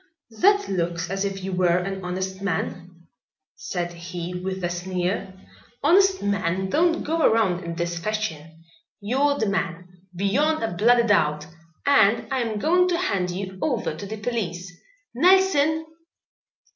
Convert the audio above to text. "That looks as if you were an honest man," said he with a sneer. "Honest men don't go around in this fashion. You're the man, beyond a bloody doubt, and I am going to hand you over to the police. Nelson!"